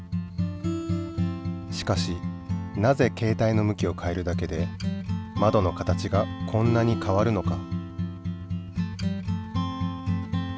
しかしなぜけい帯の向きを変えるだけでまどの形がこんなに変わるのか？